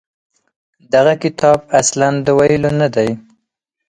دغه کتاب اصلاً د ویلو نه دی.